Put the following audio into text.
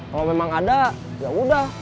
kalau memang ada ya udah